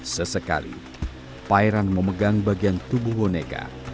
sesekali pairan memegang bagian tubuh boneka